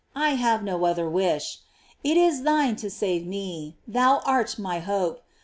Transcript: I have no other wish. It is thine to save me; thou art my hope.